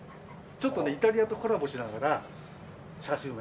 ちょっとねイタリアとコラボしながらチャーシュー麺。